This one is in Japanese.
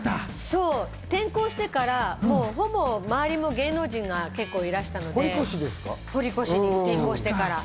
転校してから周りも芸能人がいらっしゃったので堀越に転校してから。